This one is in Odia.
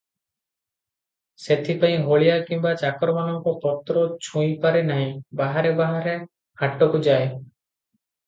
ସେଥିପାଇଁ ହଳିଆ କିମ୍ବା ଚାକରମାନଙ୍କ ପତ୍ର ଛୁଇଁପାରେ ନାହିଁ, ବାହାରେ ବାହାରେ ହାଟକୁଯାଏ ।